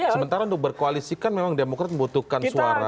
sementara untuk berkoalisikan memang demokrat membutuhkan suara